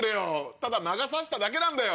ただ魔が差しただけなんだよ。